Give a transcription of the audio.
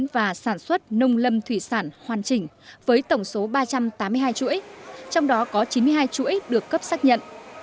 và sản xuất nông lâm thủy sản hoàn chỉnh với tổng số ba trăm tám mươi hai chuỗi trong đó có chín mươi hai chuỗi được cấp xác nhận